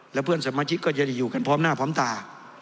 และเพื่อนสมาชิกก็จะได้อยู่กันพร้อมหน้าพร้อมตา